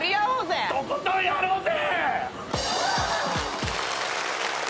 とことんやろうぜ！